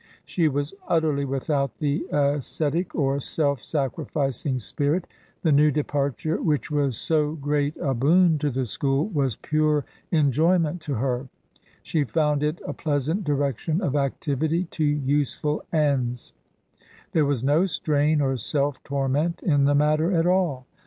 She was utterly without the ascetic or self sacri ficing spirit; the new departure which was so great a boon to the school was pure enjoyment to her; she found it a pleasant direction of activity to useful ends ; there was no strain or self torment in the matter at all.